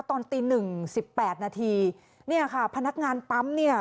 ตอนตีหนึ่งสิบแปดนาทีเนี่ยค่ะพนักงานปั๊มเนี่ย